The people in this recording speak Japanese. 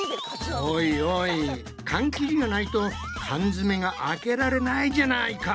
おいおい缶切りがないと缶詰が開けられないじゃないか！